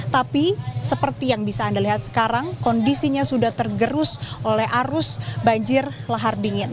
tapi seperti yang bisa anda lihat sekarang kondisinya sudah tergerus oleh arus banjir lahar dingin